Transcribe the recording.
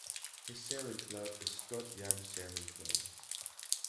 His sailing club is Sdot Yam Sailing Club.